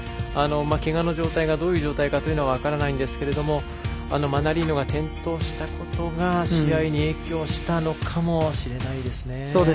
けがの状態がどういう状態かというのは分からないんですがマナリーノが転倒したことが試合に影響したのかもしれないですね。